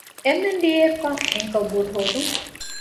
އެމް.އެން.ޑީ.އެފްއަށް އެންކަލް ބޫޓު ހޯދުން